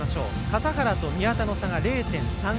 笠原と宮田の差が０．３００。